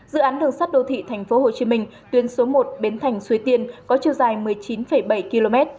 dự án đường sắt đô thị tp hồ chí minh tuyến số một biến thành xuế tiên có chiều dài một mươi chín bảy km